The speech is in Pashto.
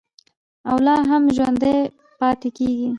او لا هم ژوندی پاتې کیږي.